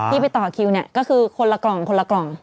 ไปต่อคิวเนี่ยก็คือคนละกล่องคนละกล่อง